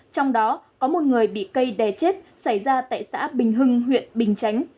trong đó có một người bị cây đè chết xảy ra tại xã bình hưng huyện bình chánh